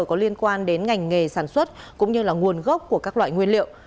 có liên quan đến ngành nghề sản xuất cũng như là nguồn gốc của các loại nguyên liệu